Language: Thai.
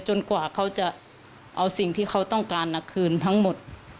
กว่าเขาจะเอาสิ่งที่เขาต้องการคืนทั้งหมด